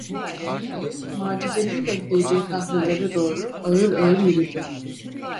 Bedri Macide’nin bekleyeceği kahvelere doğru ağır ağır yürüdü.